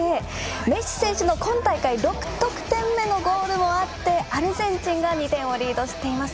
メッシ選手の今大会６得点目のゴールもあってアルゼンチン、２点リードです。